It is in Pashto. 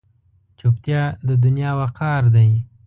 چوپتیا، د دنیا وقار دی.